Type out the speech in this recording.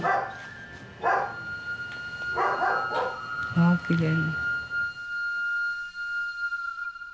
わあきれい。